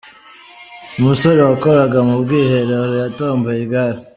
Umusore wakoraga mu bwiherero yatomboye igare.